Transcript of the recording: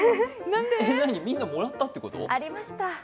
みんなもらったってこと？